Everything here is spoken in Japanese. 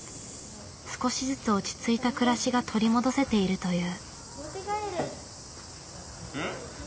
少しずつ落ち着いた暮らしが取り戻せているという。